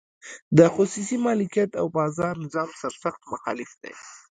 د خصوصي مالکیت او بازار نظام سرسخت مخالف دی.